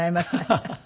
ハハハハ。